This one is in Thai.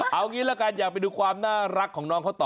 เอางี้ละกันอยากไปดูความน่ารักของน้องเขาต่อ